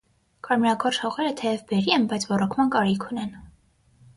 Կարմրագորշ հողերը թեև բերրի են, բայց ոռոգման կարիք ունեն։